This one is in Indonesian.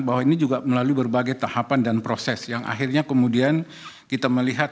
bahwa ini juga melalui berbagai tahapan dan proses yang akhirnya kemudian kita melihat